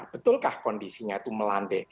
betulkah kondisinya itu melande